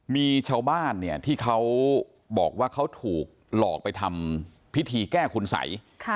มีชาวบ้านเนี่ยที่เขาบอกว่าเขาถูกหลอกไปทำพิธีแก้คุณสัย